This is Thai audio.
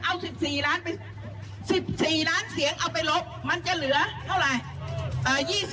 เอา๑๔ล้านเสียงเอาไปลบมันจะเหลือเท่าไหร่